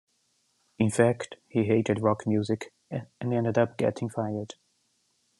In fact, he hated rock music and ended up getting fired.